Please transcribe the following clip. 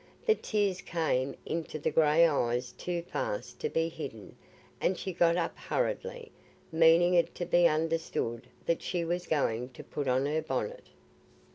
The tears came into the grey eyes too fast to be hidden and she got up hurriedly, meaning it to be understood that she was going to put on her bonnet.